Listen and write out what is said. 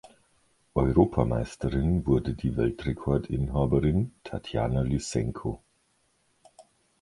Europameisterin wurde die Weltrekordinhaberin Tatjana Lyssenko.